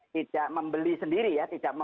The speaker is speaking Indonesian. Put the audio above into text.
tidak membeli sendiri ya